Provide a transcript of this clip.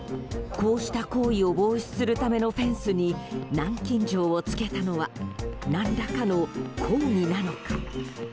こうした行為を防止するためのフェンスに南京錠をつけたのは何らかの抗議なのか？